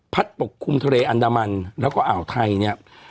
ปกคลุมทะเลอันดามันแล้วก็อ่าวไทยเนี่ย